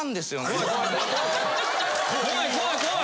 怖い怖い怖い！